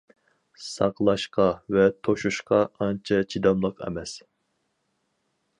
ساقلاشقا ۋە توشۇشقا ئانچە چىداملىق ئەمەس.